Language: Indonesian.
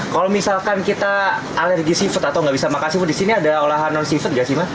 kalau misalkan kita alergi seafood atau nggak bisa makan ibu di sini ada olahan non seafood gak sih mas